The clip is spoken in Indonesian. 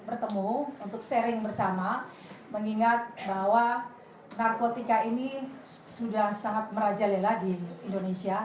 bertemu untuk sharing bersama mengingat bahwa narkotika ini sudah sangat merajalela di indonesia